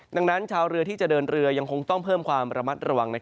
ดังนั้นชาวเรือที่จะเดินเรือยังคงต้องเพิ่มความระมัดระวัง